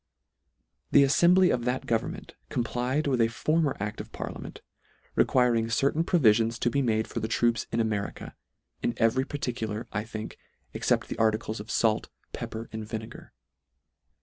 The aSfembly of that government com plied with a former acl: of parliament, re quiring certain provisions to be made for the troops in America, in every particular, I think, except the articles of fait, pepper, and vinegar.